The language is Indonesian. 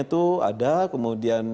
itu ada kemudian